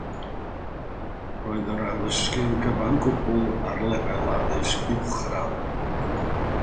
Roedd yr addysgu'n gyfan gwbl ar lefel addysg uwchradd.